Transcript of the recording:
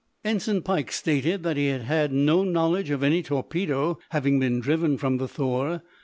Ensign Pike stated that he had had no knowledge of any torpedo having been driven from the "Thor."